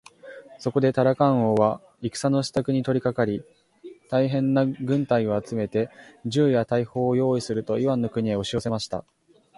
そこでタラカン王は戦のしたくに取りかかり、大へんな軍隊を集めて、銃や大砲をよういすると、イワンの国へおしよせました。